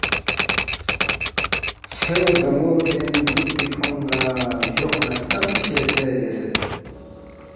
ژھیو رگنو بین دوکپی کھونگ لا جوخ نہ ستنگ شزدے بیاسید